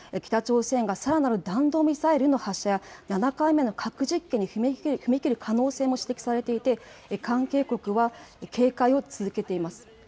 北朝鮮がさらなる弾道ミサイルの発射や７回目の核実験に踏み切る可能性も指摘されていて関係国は警戒を続けています。